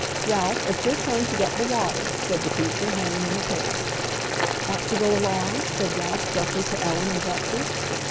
"Ralph, it's your turn to get the water," said the teacher, handing him a pail. "Want to go along?" said Ralph gruffly to Ellen and Betsy.